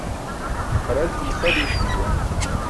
Haralći̇mo sa duusum juwan.